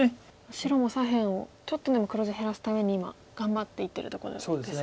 白も左辺をちょっとでも黒地減らすために今頑張っていってるところですよね。